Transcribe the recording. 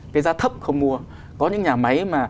cái giá thấp không mua có những nhà máy mà